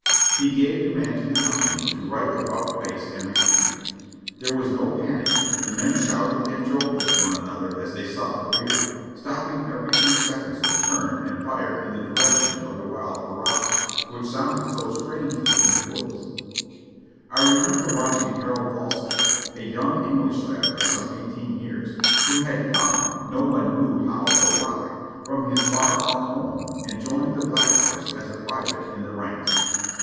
He gave command to the company to right about face and retreat. There was no panic; the men shouted and joked with one an 542 JOHNNY REB AND BILLY YANK other as they sought the rear, stopping every few seconds to turn and fire in the direction of the wild hurrahs, which sounded so strangely in the woods. I remember watching Harold Alston, a young English lad of some eighteen years, who had come, no one knew how or why, from his far off home and joined the Black Horse as a private in the ranks.